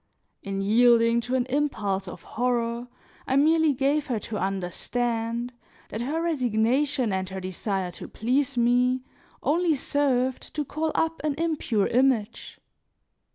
In yielding to an impulse of horror, I merely gave her to understand that her resignation and her desire to please me only served to call up an impure image.